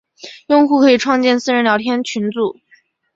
用户可以创建私人聊天群组。